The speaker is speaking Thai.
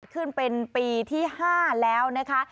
ขึ้นเป็นปีที่๕แล้วนะคะ